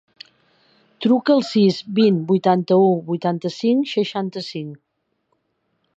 Truca al sis, vint, vuitanta-u, vuitanta-cinc, seixanta-cinc.